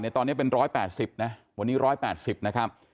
เนี่ยตอนเนี้ยเป็นร้อยแปดสิบนะวันนี้ร้อยแปดสิบนะครับ